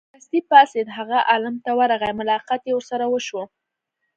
دستې پاڅېد هغه عالم ت ورغی ملاقات یې ورسره وشو.